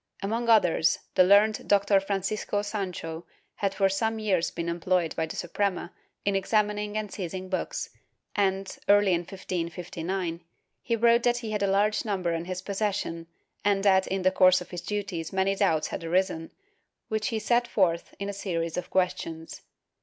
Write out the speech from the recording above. Among others, the learned Doctor Francisco Sancho had for some years been employed by the Suprema in examining and seizing books and, early in 1559, he wrote that he had a large number in his possession and that, in the course of his duties many doubts had arisen, which he set forth in a series of questions.